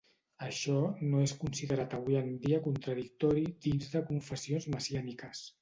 Això no és considerat avui en dia contradictori dins de confessions messiàniques.